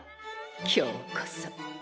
今日こそ！